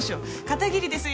片桐です